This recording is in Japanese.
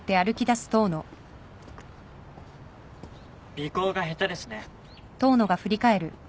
尾行が下手ですね。